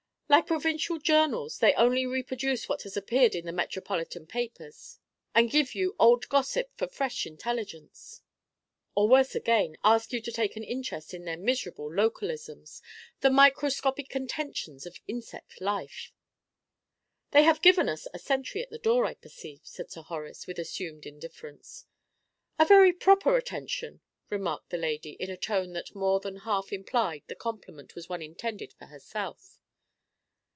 "Like provincial journals, they only reproduce what has appeared in the metropolitan papers, and give you old gossip for fresh intelligence." "Or, worse again, ask you to take an interest in their miserable 'localisms,' the microscopic contentions of insect life." "They have given us a sentry at the door, I perceive," said Sir Horace, with assumed indifference. "A very proper attention!" remarked the lady, in a tone that more than half implied the compliment was one intended for herself.